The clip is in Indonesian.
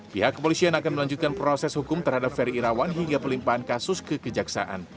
pihak kepolisian akan melanjutkan proses hukum terhadap ferry irawan hingga pelimpaan kasus kekejaksaan